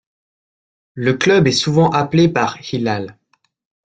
Le club est souvent appelé par 'Hilal.